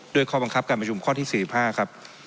ข้อบังคับการประชุมข้อที่๔๕ครับ